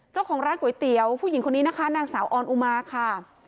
เจ้าของร้านก๋วยเตี๋ยวผู้หญิงคนนี้นะคะนางสาวออนอุมาค่ะ